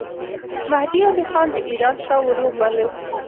مهدي علي خان د ایران شاه وروباله.